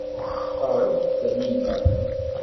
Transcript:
Tqerreb-d Taninna.